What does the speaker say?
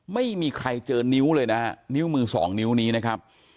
ไม่มีใครเจอนิ้วเลยนะฮะนิ้วมือสองนิ้วนี้นะครับ